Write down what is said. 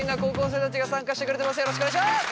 よろしくお願いします！